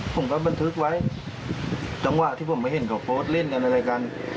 ผมก็บันทึกไว้จังหวะที่ผมไม่เห็นเขาโพสต์เล่นกันอะไรกัน